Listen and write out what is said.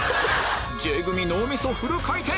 Ｊ組脳みそフル回転！